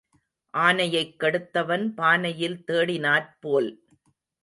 ஆனையைக் கெடுத்தவன் பானையில் தேடினாற் போல்.